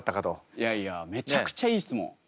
いやいやめちゃくちゃいい質問。